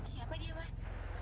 siapa dia mas